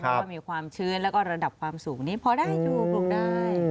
เพราะว่ามีความชื้นแล้วก็ระดับความสูงนี้พอได้ถูกปลูกได้